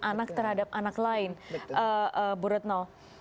anak terhadap anak lain burutno